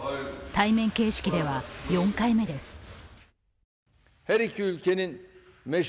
対面形式では４回目です。